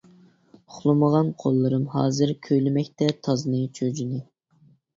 ئۇخلىمىغان قوللىرىم ھازىر، كۈيلىمەكتە تازنى، چۈجىنى.